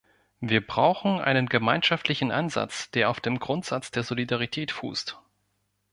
Wir brauchen einen gemeinschaftlichen Ansatz, der auf dem Grundsatz der Solidarität fußt.